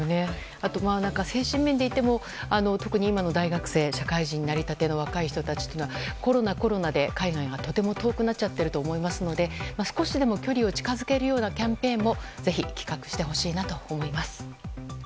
あと、精神面でいっても特に今の大学生や社会人になりたての若い人たちというのはコロナ、コロナで海外がとても遠くなっちゃっていると思いますので少しでも距離を近づけるようなキャンペーンもぜひ企画してほしいなと思います。